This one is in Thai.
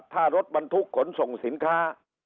ถ้ารถบรรทุกขนส่งสินค้า